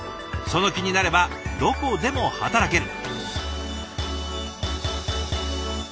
その気になればどこでも働ける。